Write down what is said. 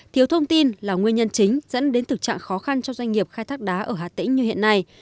thiếu thông tin là nguyên nhân chính dẫn đến thực trạng khó khăn cho doanh nghiệp khai thác đá ở hà tĩnh như hiện nay